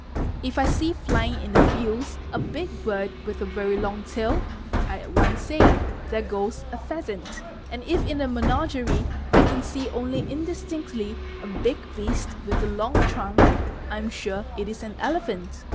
If I see flying in the fields a big bird with a very long tail, I at once say "there goes a pheasant'; and if in a menagerie I can see only indistinctly a big beast with a long trunk, [am sure it is an elephant.